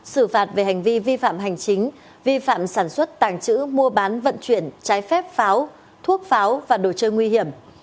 xử phạt về hành vi vi phạm hành chính vi phạm sản xuất tàng trữ mua bán vận chuyển trái phép pháo thuốc pháo và đồ chơi nguy hiểm